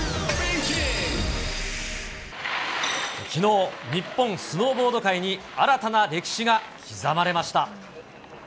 きのう、日本スノーボード界に、新たな歴史が刻まれました。